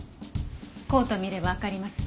コート見ればわかります。